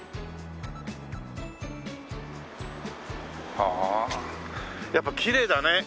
ああやっぱきれいだね。